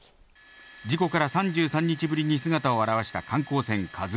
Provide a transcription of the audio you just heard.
事故から３３日ぶりに姿を現した観光船「ＫＡＺＵ１」。